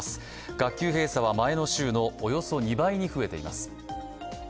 学級閉鎖は前の週のおよそ２倍に増えています。